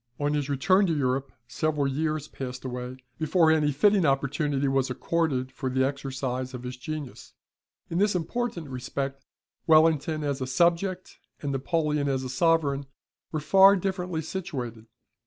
On his return to Europe several years passed away before any fitting opportunity was accorded for the exercise of his genius. In this important respect, Wellington, as a subject, and Napoleon, as a sovereign, were far differently situated.